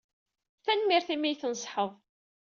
Tanemmirt imi ay iyi-tneṣḥeḍ.